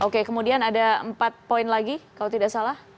oke kemudian ada empat poin lagi kalau tidak salah